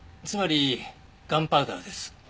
つまりガンパウダーです。